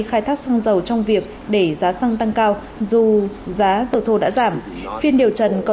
khai thác xăng dầu trong việc để giá xăng tăng cao dù giá dầu thô đã giảm phiên điều trần có